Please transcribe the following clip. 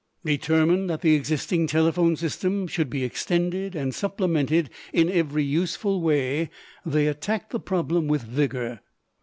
Determined that the existing telephone system should be extended and supplemented in every useful way, they attacked the problem with vigor.